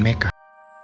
sampai jumpa lagi